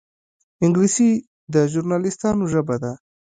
انګلیسي د ژورنالېستانو ژبه ده